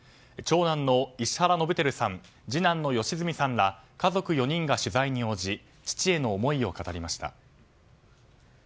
長男の石原伸晃さん次男の良純さんら家族４人が取材に応じ父への思いを語りました。